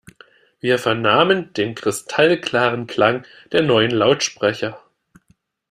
Wir vernahmen den kristallklaren Klang der neuen Lautsprecher.